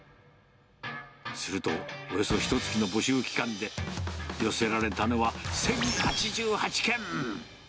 すると、およそひとつきの募集期間で、寄せられたのは１０８８件。